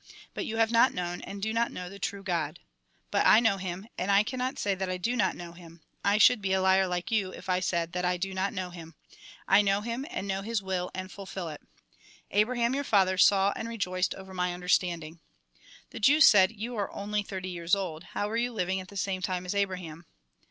But you have not known, and do not know the true God. But I know Him, and I cannot say that I do not know Him ; I should be a liar like you, if I said that I do not know Him. I know Him, and know 98 THE GOSPEL IN BRIEF His will, and fulfil it. Abraham, your father, saw and rejoiced over my understanding." The Jews said :" You are only thirty years old, how were you living at the same time as Abraham